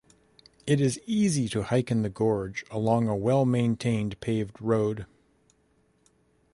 It is easy to hike in the gorge along a well-maintained paved road.